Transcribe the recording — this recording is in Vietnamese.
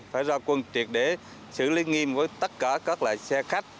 phải ra quân triệt để xử lý nghiêm với tất cả các loại xe khách